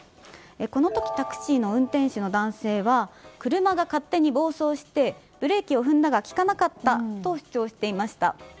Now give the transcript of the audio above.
この時タクシーの運転手の男性は車が勝手に暴走してブレーキを踏んだが利かなかったと主張していました。